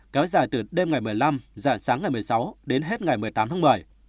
kéo dài từ đêm ngày một mươi năm dạng sáng ngày một mươi sáu đến hết ngày một mươi tám tháng một mươi